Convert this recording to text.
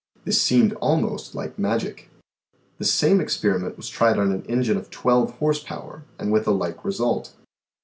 This seemed almost like magic. The same experiment was tried on an engine of twelve horse power, and with a like result.